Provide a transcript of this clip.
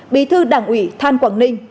bí thư đảng ủy than quảng ninh